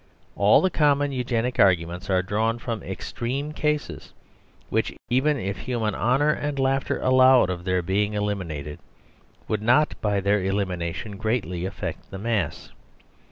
All the common Eugenic arguments are drawn from extreme cases, which, even if human honour and laughter allowed of their being eliminated, would not by their elimination greatly affect the mass.